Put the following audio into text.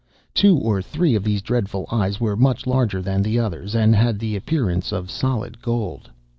Two or three of these dreadful eyes were much larger than the others, and had the appearance of solid gold.